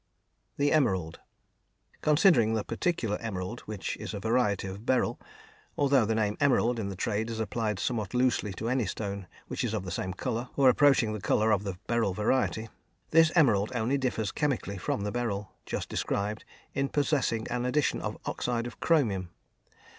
The Emerald. Considering the particular emerald which is a variety of beryl although the name emerald in the trade is applied somewhat loosely to any stone which is of the same colour, or approaching the colour of the beryl variety this emerald only differs chemically from the beryl, just described, in possessing an addition of oxide of chromium.